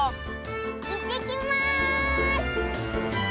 いってきます！